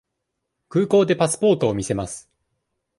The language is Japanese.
空港でパスポートを見せます。